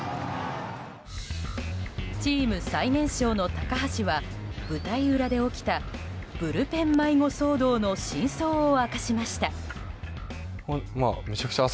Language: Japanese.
チーム最年少の高橋は舞台裏で起きたブルペン迷子騒動の真相を明かしました。